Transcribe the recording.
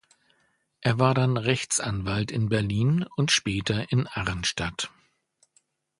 Er war dann Rechtsanwalt in Berlin und später in Arnstadt.